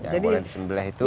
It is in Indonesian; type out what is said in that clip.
jadi yang di sebelah itu